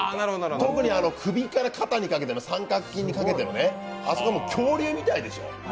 特に首から肩にかけての三角筋にかけては恐竜みたいでしょう？